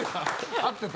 合ってた。